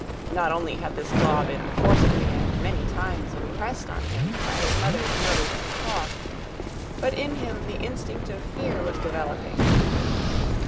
Not only had this law been forcibly and many times impressed on him by his mother's nose and paw, but in him the instinct of fear was developing.